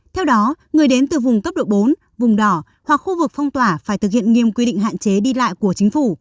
theo đó người đến từ vùng cấp độ bốn vùng đỏ hoặc khu vực phong tỏa phải thực hiện nghiêm quy định hạn chế đi lại của chính phủ